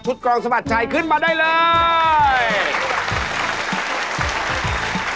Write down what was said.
ชุดกรองสมัติชัยขึ้นมาได้เลย